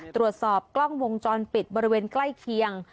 ตรวจสอบกล้องวงจรปิดบริเวณใกล้เคียง